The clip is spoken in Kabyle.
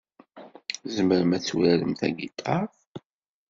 Tzemrem ad turarem tagitaṛt?